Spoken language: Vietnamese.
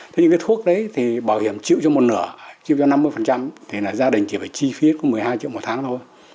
thế nhưng cái thuốc đấy thì bảo hiểm chịu cho một nửa chịu cho năm mươi thì là gia đình chỉ phải chi phí có một mươi hai triệu một tháng thôi